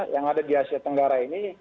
yang ada di asia tenggara ini